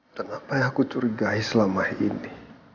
dan apa yang aku curigai selama ini